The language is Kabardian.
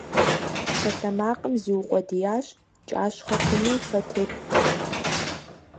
Псалъэмакъым зиукъуэдиящ, кӀащхъэ хъунуи фэ теттэкъым.